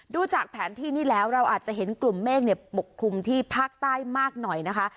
ดูจากแผนที่นี่แล้วเราอาจจะเห็นกลุ่มเมฆปกคลุมที่ภาคใต้มากหน่อยนะคะ